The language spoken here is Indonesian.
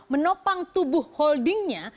menopang tubuh holdingnya